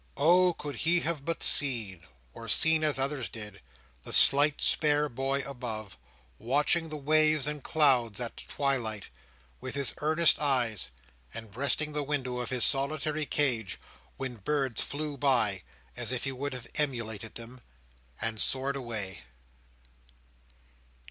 Oh! could he but have seen, or seen as others did, the slight spare boy above, watching the waves and clouds at twilight, with his earnest eyes, and breasting the window of his solitary cage when birds flew by, as if he would have emulated them, and soared away!